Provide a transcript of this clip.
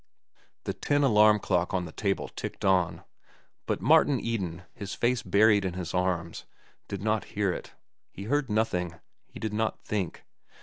The tin alarm clock on the table ticked on, but Martin Eden, his face buried on his arms, did not hear it. He heard nothing. He did not think.